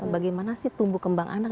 bagaimana sih tumbuh kembang anak